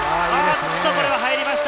これは入りました。